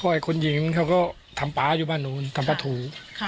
เพราะไอ้คนหญิงเขาก็ทำปลาอยู่บ้านโน้นทำปลาถู